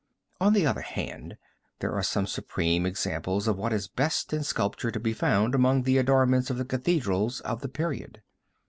On the other hand there are some supreme examples of what is best in sculpture to be found among the adornments of the cathedrals of the period.